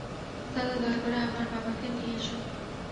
দাদা, দয়া করে আমার বাবাকে নিয়ে এসো।